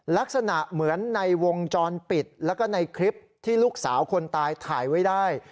ลักษณะเหมือนในวงจรปิดแล้วก็ในคลิปที่ลูกสาวคนตายถ่ายไว้ได้